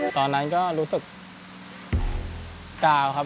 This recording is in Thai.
ตอนนั้นก็รู้สึกกาวครับ